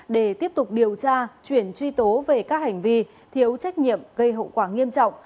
để tiếp tục điều tra chuyển truy tố về các hành vi thiếu trách nhiệm gây hậu quả nghiêm trọng